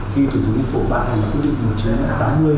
khi thủ tướng yên phục bàn hành quyết định